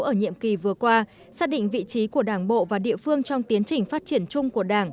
ở nhiệm kỳ vừa qua xác định vị trí của đảng bộ và địa phương trong tiến trình phát triển chung của đảng